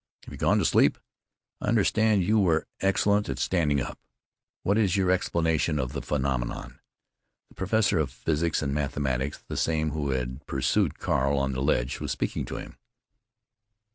Have you gone to sleep? I understood you were excellent at standing up! What is your explanation of the phenomenon?" The professor of physics and mathematics—the same who had pursued Carl on the ledge—was speaking to him.